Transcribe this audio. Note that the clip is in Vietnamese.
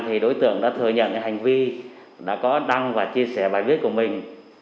thì đối tượng đã thừa nhận hành vi đã có đăng và chia sẻ bài viết của mình